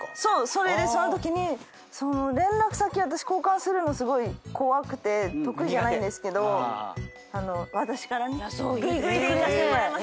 それでそのときに連絡先私交換するのすごい怖くて得意じゃないんですけど私からねぐいぐいでいかせてもらいまして。